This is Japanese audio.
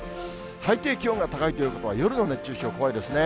最低気温が高いということは、夜の熱中症、怖いですね。